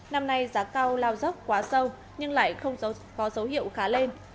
năm nay giá cao lao dốc quá sâu nhưng lại không có dấu hiệu khá lên